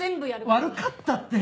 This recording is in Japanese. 悪かったって！